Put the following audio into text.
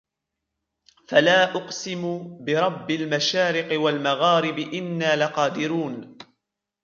فَلَا أُقْسِمُ بِرَبِّ الْمَشَارِقِ وَالْمَغَارِبِ إِنَّا لَقَادِرُونَ